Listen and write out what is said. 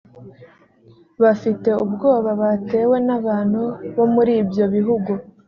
bafite ubwoba batewe n’abantu bo muri ibyo bihugu